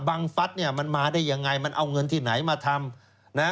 บังฟัสมันมาได้อย่างไรมันเอาเงินที่ไหนมาทำ